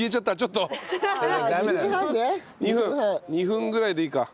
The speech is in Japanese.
２分ぐらいでいいか。